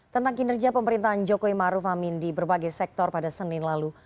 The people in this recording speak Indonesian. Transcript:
tentang kinerja pemerintahan jokowi maruf amin di berbagai sektor pada senin lalu